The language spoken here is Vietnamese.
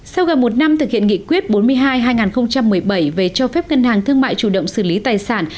sau gần một năm thực hiện nghị quyết bốn mươi hai hai nghìn một mươi bảy về cho phép ngân hàng thương mại chủ động xử lý tài sản